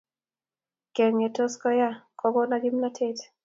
kengetos koyaa kokona kimnatet